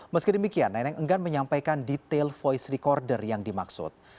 meski demikian neneng enggan menyampaikan detail voice recorder yang dimaksud